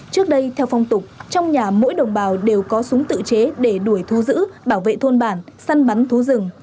trước đây theo phong tục trong nhà mỗi đồng bào đều có súng tự chế để đuổi thu giữ bảo vệ thôn bản săn bắn thú rừng